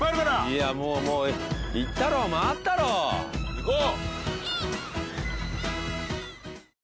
いやもうもう行ったろうまわったろう行こう！